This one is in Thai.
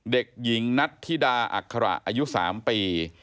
เด็กหญิงนัทธิดาอัคระอายุ๓ปี